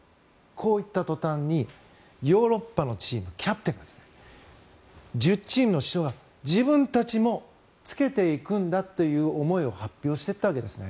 こう言った途端にヨーロッパのチームのキャプテン１０チームの主将が自分たちもつけていくんだという思いを発表していったわけです。